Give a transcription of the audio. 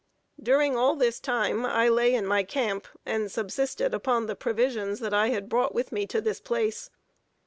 During all this time I lay in my camp, and subsisted upon the provisions that I had brought with me to this place.